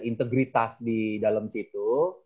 integritas di dalam situ